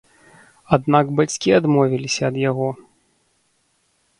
Аднак бацькі адмовіліся ад яго.